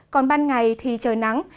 còn ban ngày thì trời nắng